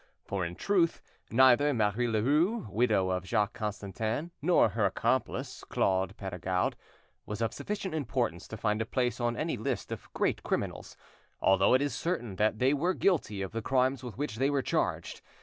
For in truth neither Marie Leroux, widow of Jacques Constantin, nor her accomplice, Claude Perregaud, was of sufficient importance to find a place on any list of great criminals, although it is certain that they were guilty of the crimes with which they were charged.